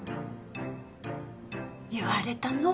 言われたの？